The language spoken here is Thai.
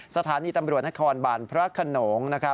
สถานีตำรวจนครบาลพระขนง